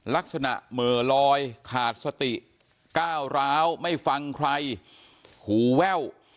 ลักษณะเหม่อลอยขาดสติก้าวร้าวไม่ฟังใครหูแว่ว